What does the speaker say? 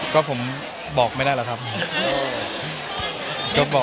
ก็ผมบอกไม่ได้แล้วครับ